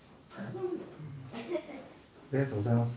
ありがとうございます。